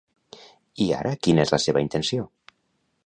I ara quina és la seva intenció?